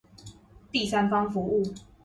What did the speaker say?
第三方服務